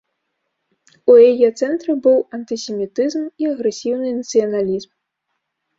У яе цэнтры быў антысемітызм і агрэсіўны нацыяналізм.